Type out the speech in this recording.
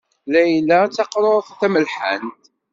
Layla d taqṛuṛt tamelḥant.